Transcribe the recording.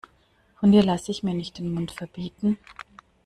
Von dir lasse ich mir nicht den Mund verbieten.